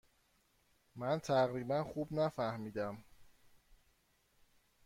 من تقریبا خوب نفهمیدم.